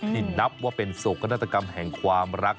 นับว่าเป็นโศกนาฏกรรมแห่งความรัก